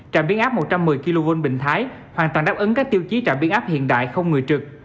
trạm biến áp một trăm một mươi kv bình thái hoàn toàn đáp ứng các tiêu chí trạm biến áp hiện đại không người trực